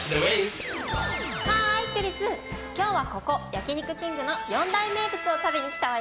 今日はここ焼肉きんぐの４大名物を食べに来たわよ。